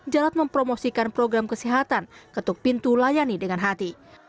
jarod mempromosikan program kesehatan ketuk pintu layani dengan hati